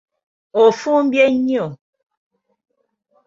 Ofumbye nnyo!